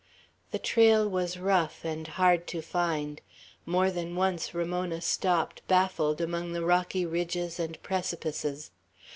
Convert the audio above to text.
The trail was rough, and hard to find. More than once Ramona stopped, baffled, among the rocky ridges and precipices.